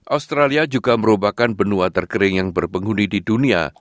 australia juga merupakan benua terkering yang berpenghuni di dunia